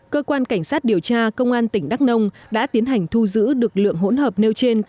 cơ quan cảnh sát điều tra công an tỉnh đắk nông đã tiến hành thu giữ được lượng hỗn hợp nêu trên